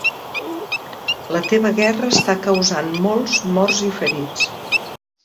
La teva guerra està causant molts morts i ferits.